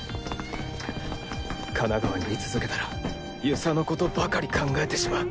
神奈川に居続けたら遊佐のことばかり考えてしまう